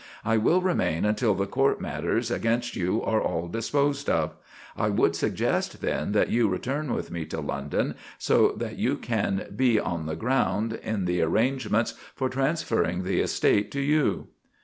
I will remain until the court matters against you are all disposed of. I would suggest then that you return with me to London, so that you can be on the ground in the arrangements for transferring the estate to you."